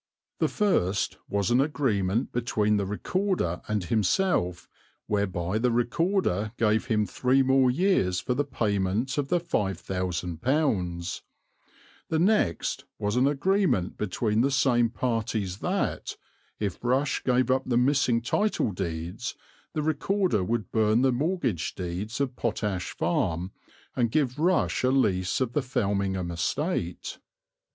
The first was an agreement between the Recorder and himself whereby the Recorder gave him three more years for the payment of the £5000; the next was an agreement between the same parties that, if Rush gave up the missing title deeds, the Recorder would burn the mortgage deed of Potash Farm and give Rush a lease of the Felmingham estate.